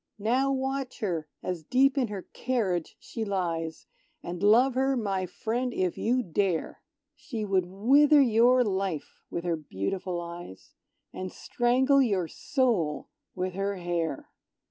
Now watch her, as deep in her carriage she lies, And love her, my friend, if you dare! She would wither your life with her beautiful eyes, And strangle your soul with her hair!